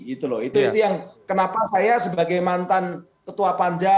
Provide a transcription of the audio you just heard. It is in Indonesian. itu yang kenapa saya sebagai mantan ketua panja